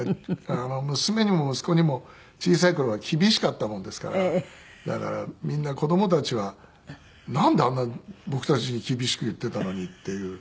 娘にも息子にも小さい頃は厳しかったもんですからだからみんな子供たちはなんであんな僕たちに厳しく言っていたのにっていう。